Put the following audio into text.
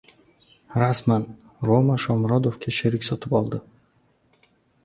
Rasman! "Roma" Shomurodovga sherik sotib oldi